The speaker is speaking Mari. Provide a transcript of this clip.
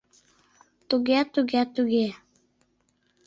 — Туге, туге, туге...